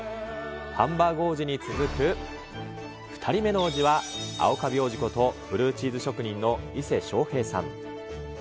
ハンバーグ王子に続く２人目の王子は、青カビ王子こと、ブルーチーズ職人の伊勢昇平さん。